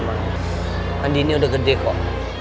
tadi ini udah gede kok